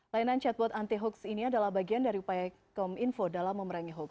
layanan chatbot anti hoax ini adalah bagian dari upaya kominfo dalam memerangi hoax